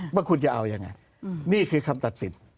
เพราะคุณจะเอาอย่างไรนี้คือคำตัดสิน